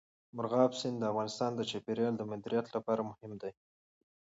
مورغاب سیند د افغانستان د چاپیریال د مدیریت لپاره مهم دی.